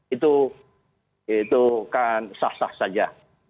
itu kan sah sah saja